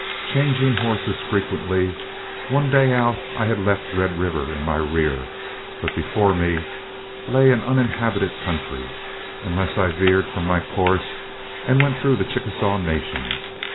Changing horses frequently, one day out I had left Red River in my rear, but before me lay an uninhabited country, unless I veered from my course and went through the Chickasaw Nation.